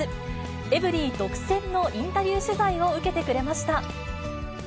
エブリィ独占のインタビュー取材を受けてくれました。